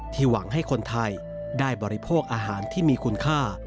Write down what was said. หวังให้คนไทยได้บริโภคอาหารที่มีคุณค่า